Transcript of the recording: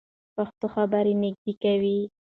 پښتو خبرې نږدې کوي.